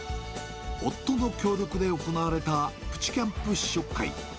夫の協力で行われたプチキャンプ試食会。